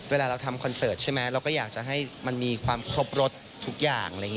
เวลาเราทำคอนเสิร์ตใช่ไหมเราก็อยากจะให้มันมีความครบรถทุกอย่าง